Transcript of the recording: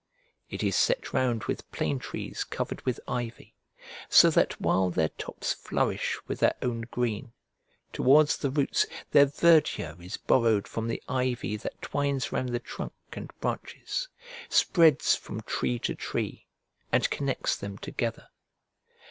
It is set round with plane trees covered with ivy, so that, while their tops flourish with their own green, towards the roots their verdure is borrowed from the ivy that twines round the trunk and branches, spreads from tree to tree, and connects them together.